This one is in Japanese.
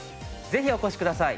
ぜひお越しください。